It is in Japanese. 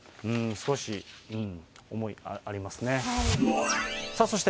少し思いありますね。